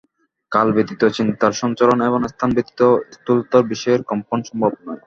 কাল ব্যতীত চিন্তার সঞ্চরণ এবং স্থান ব্যতীত স্থূলতর বিষয়ের কম্পন সম্ভব নয়।